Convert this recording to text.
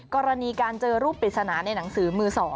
กรณีการเจอรูปปริศนาในหนังสือมือ๒